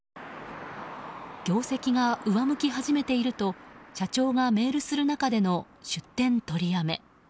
業績が上向き始めていると社長がメールする中での出店取りやめ。